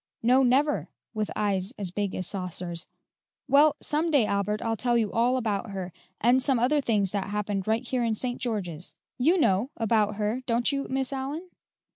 "No, never," with eyes as big as saucers. "Well, some day, Albert, I'll tell you all about her, and some other things that happened right here in St. George's. You know, about her, don't you, Miss Allyn?"